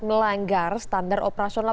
melanggar standar operasional